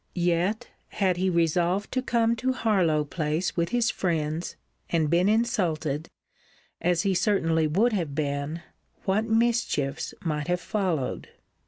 Yet, had he resolved to come to Harlowe place with his friends, and been insulted, as he certainly would have been, what mischiefs might have followed!